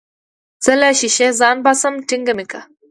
زه له ښيښې ځان باسم ټينګه مې که.